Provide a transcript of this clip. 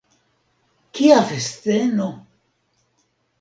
Kia festeno!